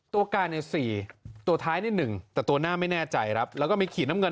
ตัวการใน๔ตัวท้ายนี่๑แต่ตัวหน้าไม่แน่ใจครับแล้วก็มีขีดน้ำเงิน